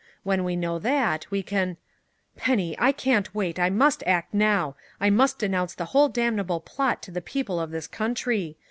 When we know that, we can " "Penny, I can't wait. I must act now. I must denounce the whole damnable plot to the people of this country.